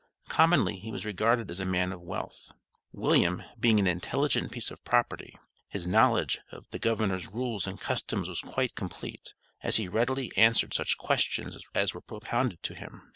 Commonly he was regarded as a man of wealth. William being an intelligent piece of property, his knowledge of the governor's rules and customs was quite complete, as he readily answered such questions as were propounded to him.